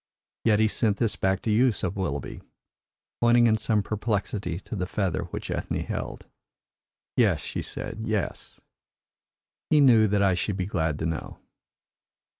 "Yet he sent this back to you," said Willoughby, pointing in some perplexity to the feather which Ethne held. "Yes," she said, "yes. He knew that I should be glad to know."